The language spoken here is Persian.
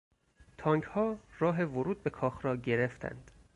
تانکها راه ورود به کاخ را گرفتند.